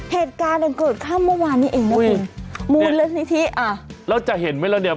เหตุการณ์ก็เกิดข้ามเมื่อวานนี้เองอุ้ยมูลและนิทิอ่ะแล้วจะเห็นไหมล่ะเนี้ย